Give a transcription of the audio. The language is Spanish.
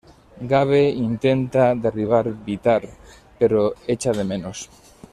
Gabe intenta derribar Bitar, pero echa de menos.